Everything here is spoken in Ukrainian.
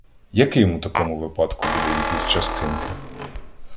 Яким у такому випадку буде імпульс частинки?